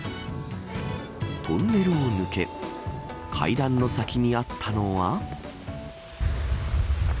トンネルを抜け階段の先にあったのは。